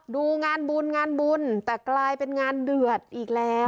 ดูงานบุญงานบุญแต่กลายเป็นงานเดือดอีกแล้ว